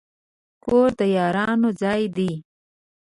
کور د یادونو ځای دی.